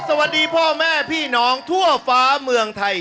สวัสดีพ่อแม่พี่น้องทั่วฟ้าเมืองไทย